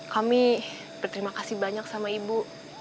kami berterima kasih banyak sama ibu